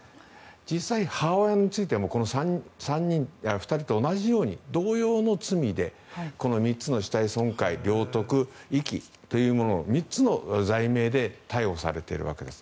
実際、母親についてはこの２人と同じように同様の罪で３つの死体損壊・領得・遺棄という３つの罪名で逮捕されているわけです。